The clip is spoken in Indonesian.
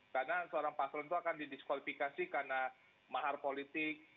karena seorang paslon itu akan didiskualifikasi karena mahar politik